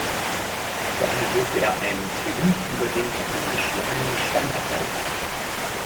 Daher durfte er einen Triumph über den von ihm geschlagenen Stamm abhalten.